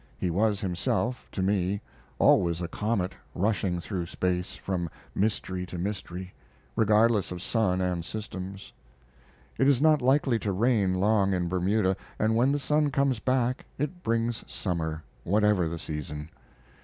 He was himself, to me, always a comet rushing through space, from mystery to mystery, regardless of sun and systems. It is not likely to rain long in Bermuda, and when the sun comes back it brings summer, whatever the season.